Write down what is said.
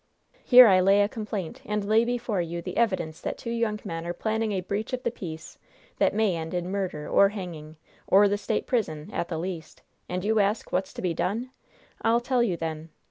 Here I lay a complaint, and lay before you the evidence that two young men are planning a breach of the peace that may end in murder or hanging, or the State prison, at the least, and you ask what's to be done! I'll tell you, then!